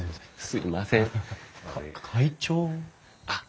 すいません。